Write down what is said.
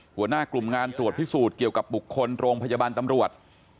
หัวหน้ากลุ่มงานตรวจพิสูจน์เกี่ยวกับบุคคลโรงพยาบาลตำรวจ